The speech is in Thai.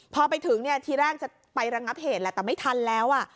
พอไปถึงเนี่ยทีแรกจะไประงับเหตุแหละแต่ไม่ทันแล้ว